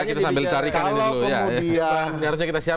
kita sambil carikan ini dulu